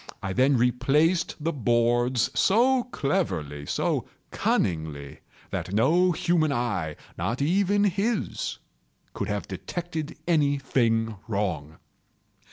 I then replaced the boards so cleverly, so cunningly, that no human eye—not even his—could have detected any thing wrong.